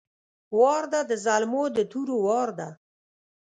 وار ده د زلمو د تورو وار ده!